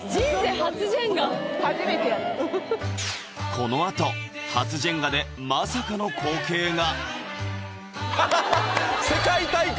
このあと初ジェンガでまさかの光景が！